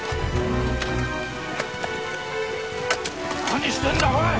何してんだおい！